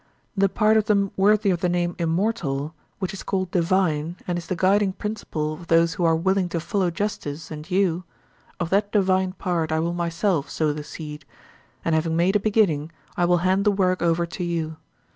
The part of them worthy of the name immortal, which is called divine and is the guiding principle of those who are willing to follow justice and you—of that divine part I will myself sow the seed, and having made a beginning, I will hand the work over to you.